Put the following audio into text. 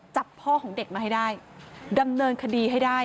จับพ่อของเด็กมาให้ได้ดำเนินคดีให้ได้